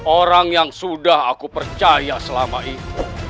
orang yang sudah aku percaya selama itu